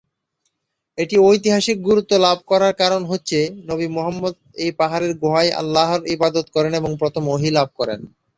এটি ঐতিহাসিক গুরুত্ব লাভ করার কারণ হচ্ছে, নবী মুহাম্মদ এ পাহাড়ের গুহায় আল্লাহর ইবাদত করেন এবং প্রথম ওহী লাভ করেন।